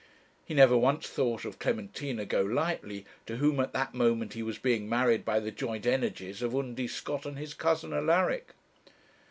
He never once thought of Clementina Golightly, to whom at that moment he was being married by the joint energies of Undy Scott and his cousin Alaric.